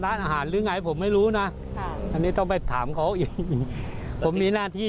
ได้เป็นโรงงานทำลูกชิ้นจริงไหมไม่มีอะไรเลย